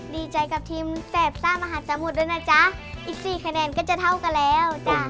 ดีใจด้วยกับทีมแสบยกล้องตลาดธรรมดธุ์มาหลาดธรรมดนแล้วนะครับนี่๔คะแนนท่านก็จะเท่ากันแล้วนะครับ